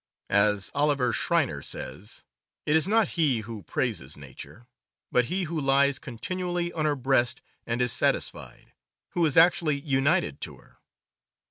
As Olive Shreiner says :" It is not he who praises nature, but he who lies continually on her breast and is satisfied, who is actually united to her."